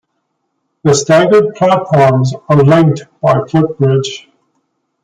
The staggered platforms are linked by footbridge.